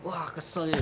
wah kesel ya